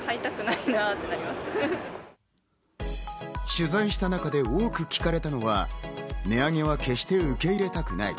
取材した中で多く聞かれたのは、値上げは決して受け入れたくない。